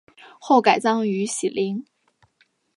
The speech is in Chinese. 后改葬于禧陵。